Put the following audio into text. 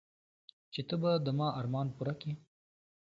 چې ته به د ما ارمان پوره كيې.